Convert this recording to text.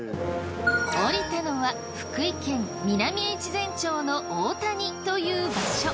降りたのは福井県南越前町の大谷という場所。